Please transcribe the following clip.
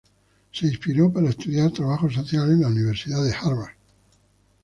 Se inspiró para estudiar Trabajo Social en la Universidad de Harvard.